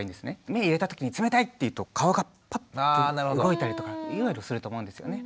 目入れた時に冷たい！っていうと顔がパッと動いたりとかすると思うんですよね。